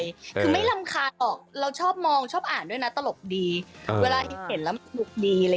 คือไม่รำคาญออกเราชอบมองชอบอ่านด้วยนะตลกดีเวลาเห็นแล้วมุกดี